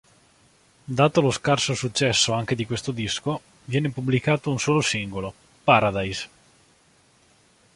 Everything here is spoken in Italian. Dato lo scarso successo anche di questo disco, viene pubblicato un solo singolo, "Paradise".